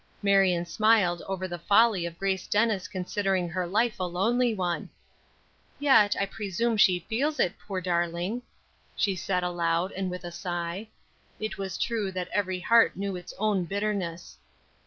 Marion smiled over the folly of Grace Dennis considering her life a lonely one. "Yet, I presume she feels it, poor darling," she said aloud, and with a sigh. It was true that every heart knew its own bitterness.